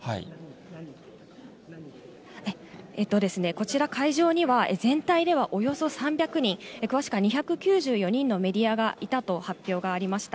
こちら会場には、全体ではおよそ３００人、詳しくは２９４人のメディアがいたと発表がありました。